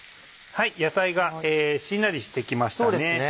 野菜がしんなりして来ましたね。